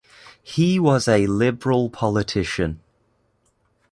He was a Liberal politician.